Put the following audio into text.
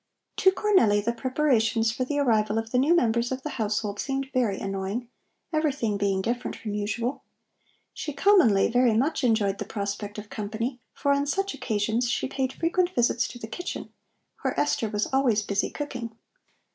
To Cornelli the preparations for the arrival of the new members of the household seemed very annoying, everything being different from usual. She commonly very much enjoyed the prospect of company, for on such occasions she paid frequent visits to the kitchen, where Esther was always busy cooking.